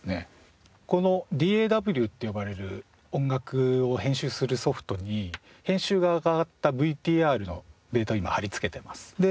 このＤＡＷと呼ばれる音楽を編集するソフトに編集が上がったＶＴＲのデータを今貼り付けてます。